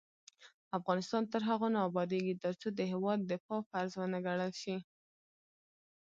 افغانستان تر هغو نه ابادیږي، ترڅو د هیواد دفاع فرض ونه ګڼل شي.